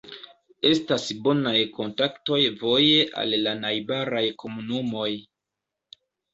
Estas bonaj kontaktoj voje al la najbaraj komunumoj.